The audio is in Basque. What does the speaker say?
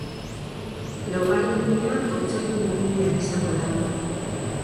Laugarren gunea kontzertuen gunea izango da.